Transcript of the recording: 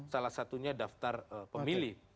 salah satunya daftar pemilih